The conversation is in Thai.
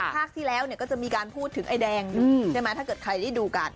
ภาคที่แล้วก็จะมีการพูดถึงไอ้แดงอยู่ใช่ไหมถ้าเกิดใครได้ดูกัน